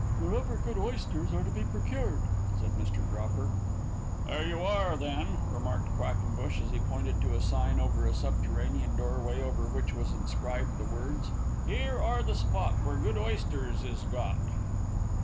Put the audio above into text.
"Wherever good oysters are to be procured," said Mr. Dropper. "Here you are, then," remarked Quackenbush, as he pointed to a sign over a subterranean door way, over which was inscribed the words, "Here are the spot Where good oysters is got."